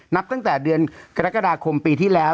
นับตั้งแต่เดือนกรกฎาคมปีที่แล้ว